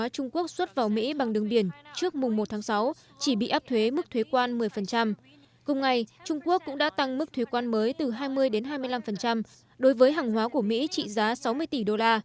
trung quốc chỉ áp đặt mức thuế quan từ năm đến một mươi đối với số hàng hóa này